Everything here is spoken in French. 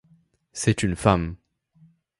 C'est une femme.